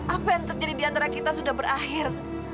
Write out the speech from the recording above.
apa yang terjadi di antara kita sudah berakhir